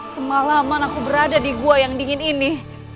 semalaman aku berada di gua yang dingin ini